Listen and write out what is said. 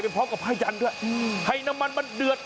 ขิงขาตะไกรต้มให้เดือด